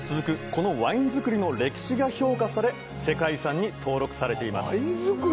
このワイン造りの歴史が評価され世界遺産に登録されています